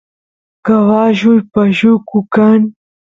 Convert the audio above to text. caballuy pashuku kan